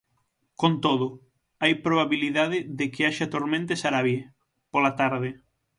Con todo, hai probabilidade de que haxa tormenta e sarabie, pola tarde.